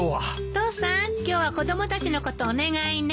父さん今日は子供たちのことお願いね。